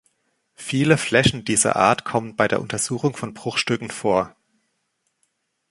Viele Flächen dieser Art kommen bei der Untersuchung von Bruchstücken vor.